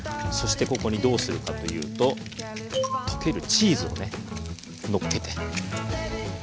そしてここにどうするかというと溶けるチーズをのっけて。